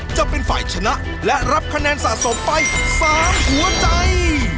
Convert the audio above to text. จะเป็นฝ่ายชนะและรับคะแนนสะสมไป๓หัวใจ